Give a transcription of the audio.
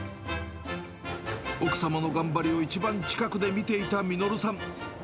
奥様の頑張りを一番近くで見ていた稔さん。